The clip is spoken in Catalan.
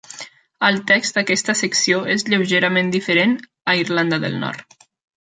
El text d'aquesta secció és lleugerament diferent a Irlanda del Nord.